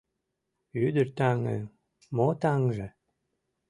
Ӱдыр-таҥын мо таҥже?!